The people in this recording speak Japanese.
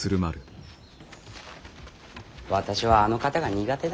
私はあの方が苦手だ。